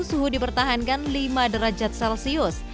suhu dipertahankan lima derajat celcius